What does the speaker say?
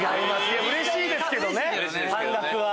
うれしいですけどね半額は。